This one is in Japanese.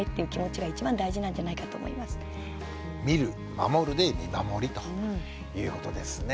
見る守るで「見守り」ということですね。